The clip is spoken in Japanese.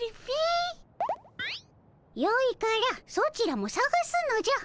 よいからソチらもさがすのじゃ。